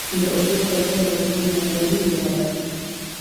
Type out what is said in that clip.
د اوبو پر ځای له غرونو، نګه وینی رابهیږی